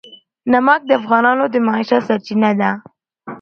نمک د افغانانو د معیشت سرچینه ده.